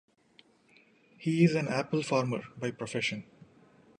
He is an apple farmer by profession.